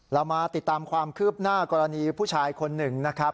เรามาติดตามความคืบหน้ากรณีผู้ชายคนหนึ่งนะครับ